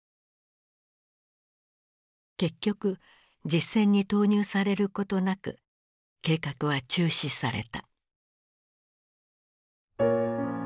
結局実戦に投入されることなく計画は中止された。